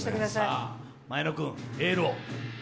前野君エールを。